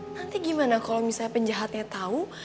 nanti gimana kalau misalnya penjahatnya tahu